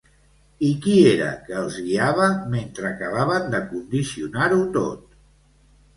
I qui era que els guiava mentre acabaven de condicionar-ho tot?